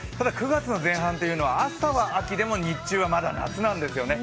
９月の前半というのは、朝は秋でも日中はまだ夏なんですよね。